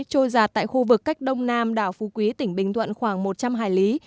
trôi giặt tại khu vực cách đông nam đảo phú quý tỉnh bình thuận khoảng một trăm linh hải lý